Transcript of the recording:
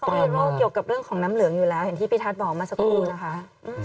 วีโน่เกี่ยวกับเรื่องของน้ำเหลืองอยู่แล้วอย่างที่พี่ทัศน์บอกมาสักครู่นะคะ